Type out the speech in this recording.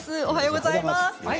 おはようございます。